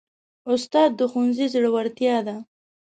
استاد د ښوونځي زړورتیا ده.